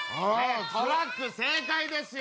「トラック」正解ですよ。